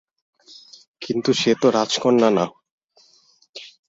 কিন্তু সে তো রাজকন্যা না।